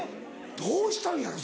どうしたんやろ？